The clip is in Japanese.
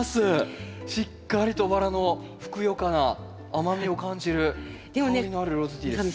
しっかりとバラのふくよかな甘みを感じる香りのあるローズティーです。